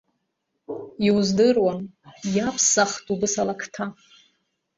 Иуздыруам, иаԥсахт убас алакҭа.